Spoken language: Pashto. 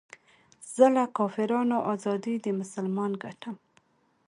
زه له کافرانو ازادي د مسلمان ګټم